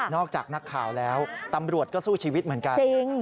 จากนักข่าวแล้วตำรวจก็สู้ชีวิตเหมือนกัน